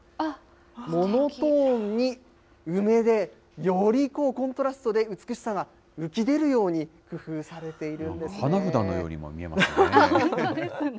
モノトーンに梅で、よりこうコントラストで、美しさが浮き出るように工夫されている花札のようにも見えますね。